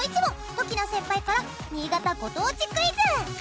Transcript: ときな先輩から新潟ご当地クイズ。